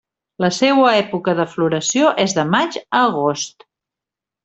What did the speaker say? La seua època de floració és de maig a agost.